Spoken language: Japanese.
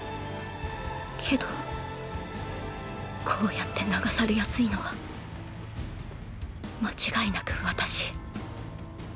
けどこうやって流されやすいのは間違いなく私